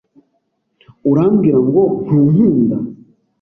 Urambwira ngo ntunkunda?